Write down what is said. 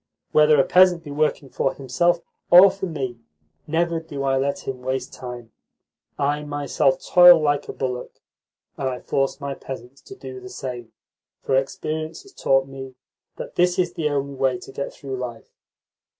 Whether a peasant be working for himself or for me, never do I let him waste time. I myself toil like a bullock, and I force my peasants to do the same, for experience has taught me that that is the only way to get through life.